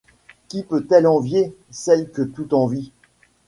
Qui peut-elle envier, celle que tout envie ?